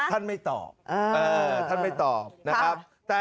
ท่านไม่ตอบท่านไม่ตอบนะครับ